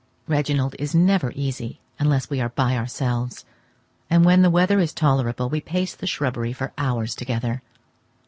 Reginald is never easy unless we are by ourselves, and when the weather is tolerable, we pace the shrubbery for hours together.